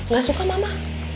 gak suka mama